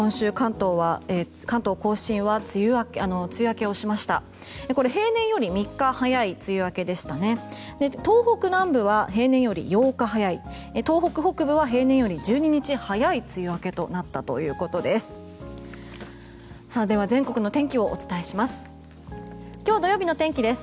東北南部は平年より８日早い東北北部は平年より１２日早い梅雨明けとなったということです。